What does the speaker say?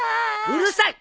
うるさい！